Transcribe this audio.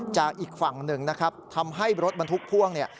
อีกฝั่งหนึ่งนะครับทำให้รถบรรทุกพ่วงเนี่ย